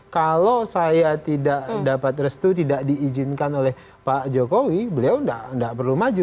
kalau saya tidak dapat restu tidak diizinkan oleh pak jokowi beliau tidak perlu maju